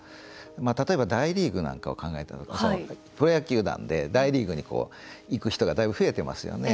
例えば大リーグなんかを考えるとプロ野球球団で大リーグに行く人がだいぶ、増えていますよね。